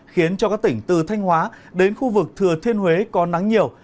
khiến cho các tỉnh từ thanh hóa đến khu vực thừa thiên huế có nắng nhiều